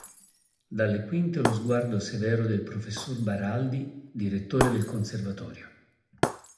Dalle quinte lo sguardo severo del Prof. Baraldi, direttore del conservatorio.